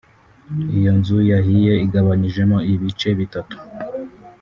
Iyo nzu yahiye igabanijemo ibice bitatu